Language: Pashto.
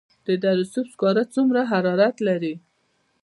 د دره صوف سکاره څومره حرارت لري؟